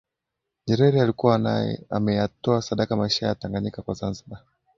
Nyerere alikuwa ameyatoa sadaka maisha ya Tanganyika kwa Zanzibar